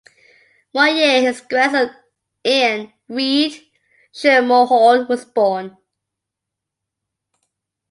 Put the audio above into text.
One year his grandson Ian Reed Schermerhorn was born.